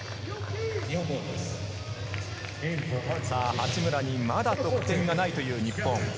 八村にまだ得点がないという日本。